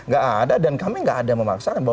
gak ada dan kami gak ada memaksakan